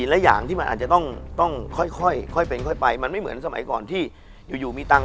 ใช่มันก็เป็นเรื่องของ